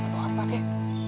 atau apa kek